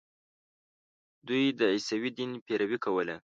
دوی د عیسوي دین پیروي کوله.